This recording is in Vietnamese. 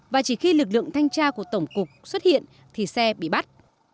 và chỉ khi lực lượng thanh tra của tổng cục xuất hiện thì xe bị bắt